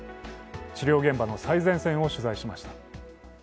治療現場の最前線を取材しました。